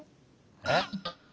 えっ。